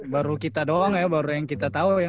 baru kita doang ya baru yang kita tahu ya